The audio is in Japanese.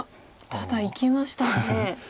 ただいきましたね。